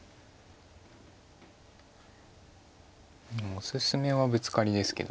おすすめはブツカリですけど。